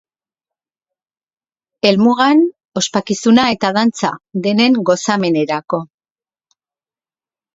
Helmugan, ospakizuna eta dantza denen gozamenerako.